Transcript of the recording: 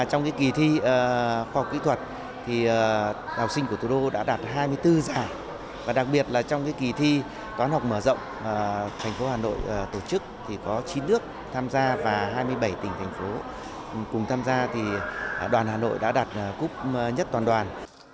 trong kỳ thi khoa học kỹ thuật học sinh của thủ đô đã đạt hai mươi bốn giải và đặc biệt là trong kỳ thi toán học mở rộng thành phố hà nội tổ chức có chín nước tham gia và hai mươi bảy tỉnh thành phố cùng tham gia thì đoàn hà nội đã đạt cúp nhất toàn đoàn